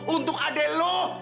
untuk ade lo